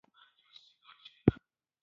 د تحسین نامې ورکول یو ډول تشویق دی.